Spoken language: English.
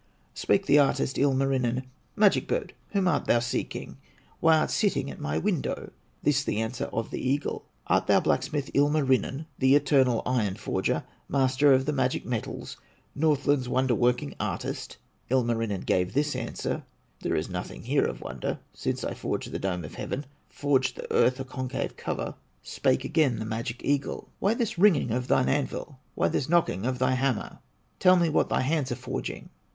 Spake the artist, Ilmarinen: "Magic bird, whom art thou seeking, Why art sitting at my window?" This the answer of the eagle: "Art thou blacksmith, Ilmarinen, The eternal iron forger, Master of the magic metals, Northland's wonder working artist?" Ilmarinen gave this answer: "There is nothing here of wonder, Since I forged the dome of heaven, Forged the earth a concave cover!" Spake again the magic eagle: "Why this ringing of thine anvil, Why this knocking of thy hammer, Tell me what thy hands are forging?"